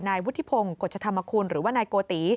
นายวุฒิพงศ์กฎชธรรมคุณหรือว่านายโกติ